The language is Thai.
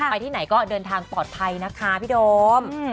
ที่ไหนก็เดินทางปลอดภัยนะคะพี่โดม